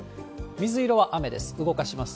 水色は雨です。